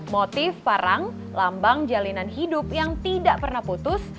motif parang lambang jalinan hidup yang tidak pernah putus